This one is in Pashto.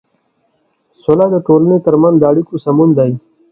سوله د ټولنې تر منځ د اړيکو سمون دی.